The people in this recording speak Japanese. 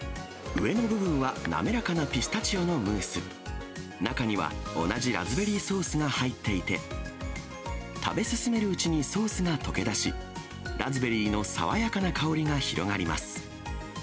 上の部分は滑らかなピスタチオのムース、中には同じラズベリーソースが入っていて、食べ進めるうちにソースが溶け出し、ラズベリーの爽やかな香りが広がります。